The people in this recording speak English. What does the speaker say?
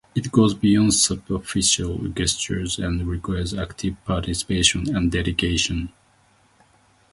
It goes beyond superficial gestures and requires active participation and dedication.